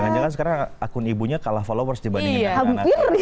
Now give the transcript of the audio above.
jangan jangan sekarang akun ibunya kalah followers dibandingin akun anak